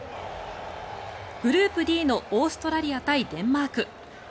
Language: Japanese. グループＤのオーストラリア対デンマーク。